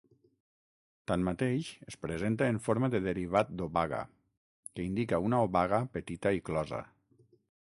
Tanmateix, es presenta en forma de derivat d'obaga, que indica una obaga petita i closa.